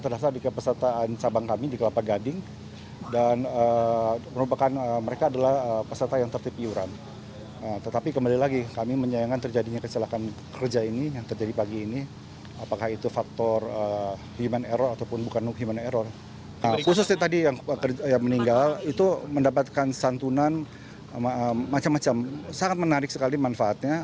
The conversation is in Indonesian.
dan santunan macam macam sangat menarik sekali manfaatnya